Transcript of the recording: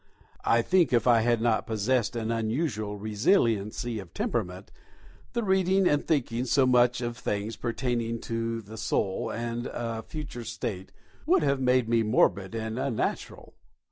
I think if I had not possessed an unusual resiliency of temperament, the reading and thinking so much of things pertaining to the soul and a future state would have made me morbid and unnatural.